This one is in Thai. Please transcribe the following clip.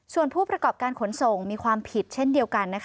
ส่วนผู้ประกอบการขนส่งมีความผิดเช่นเดียวกัน